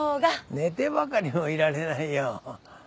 寝てばかりもいられないよ。